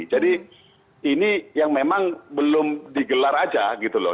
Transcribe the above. jadi ini yang memang belum digelar aja gitu loh